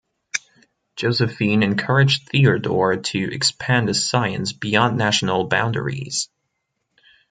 Josephine encouraged Theodore to expand his science beyond national boundaries.